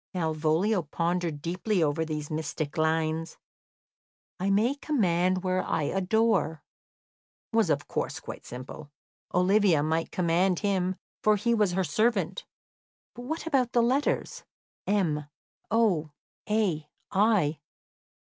Malvolio pondered deeply over these mystic lines. "I may command where I adore" was, of course, quite simple. Olivia might command him, for he was her servant. But what about the letters M, O, A, I?